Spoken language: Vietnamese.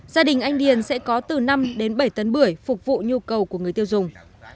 gia đình anh điền sẽ có từ năm đến bảy tấn bưởi phục vụ nhu cầu của người tiêu dùng